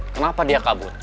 kenapa dia kabur